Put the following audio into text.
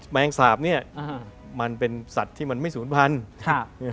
แมงสาบเนี่ยมันเป็นสัตว์ที่มันไม่ศูนย์พันธุ์